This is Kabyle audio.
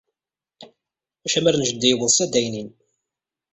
Acamar n jeddi yewweḍ s addaynin.